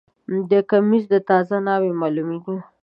دا کمیس د تازه ناوې معلومیږي